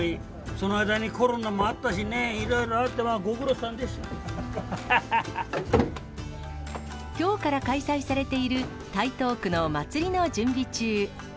その間にコロナもあったしね、きょうから開催されている台東区の祭りの準備中。